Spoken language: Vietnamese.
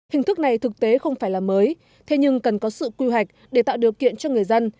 hình thức này thực tế không phải là mới thế nhưng cần có sự quy hoạch để tạo điều kiện cho người dân